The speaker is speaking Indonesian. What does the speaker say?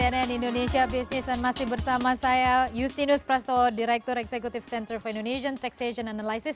anda kembali di cnn indonesia business dan masih bersama saya yustinus prasowo direktur eksekutif center for indonesian taxation analysis